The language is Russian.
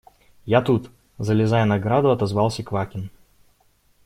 – Я тут, – залезая на ограду, отозвался Квакин.